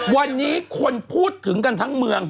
วันนี้คนพูดถึงกันทั้งเมือง